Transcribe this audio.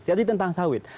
jadi tentang sawit